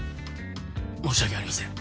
申し訳ありません。